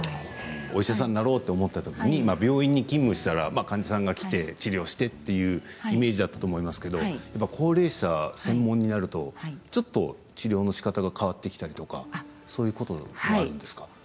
お医者さんになろうと思ったときに病院に勤務したら患者さんが来て治療してっていうイメージだったと思いますけど高齢者専門になるとちょっと治療のしかたが変わってきたりとかそういうこともあるんですか？